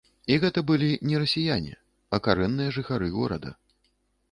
І гэта былі не расіяне, а карэнныя жыхары горада.